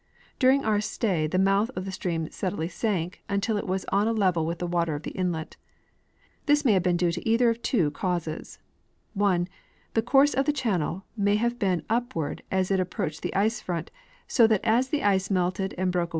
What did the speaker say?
During our stay the mouth of the stream steadily sank, until it was on a level with the water of the inlet. This may have been due to either of two causes : (1) the course of the channel may have been upward as it ap proached the ice front, so that as the ice melted and broke